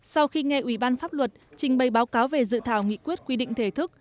sau khi nghe ủy ban pháp luật trình bày báo cáo về dự thảo nghị quyết quy định thể thức